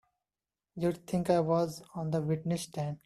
You'd think I was on the witness stand!